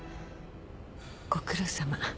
ご苦労さま。